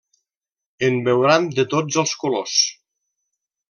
En veuran de tots els colors.